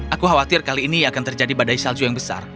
aku khawatir kali ini akan terjadi badai salju yang besar